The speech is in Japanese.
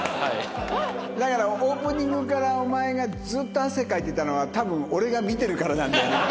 だからオープニングからお前がずっと汗かいてたのは多分俺が見てるからなんだよね。